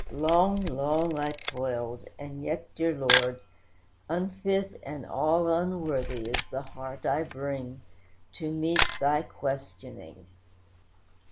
Long, long I toiled; and yet, dear Lord, unfit, And all unworthy, is the heart I bring, To meet Thy questioning.